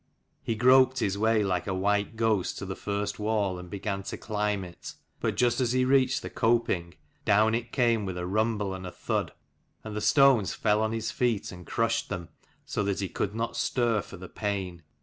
He groped his way like a white ghost to the first wall, and began to climb it; but just as he reached the coping, down it came with a rumble and a thud, and the stones fell on his feet and crushed them, so that he could not stir for the pain.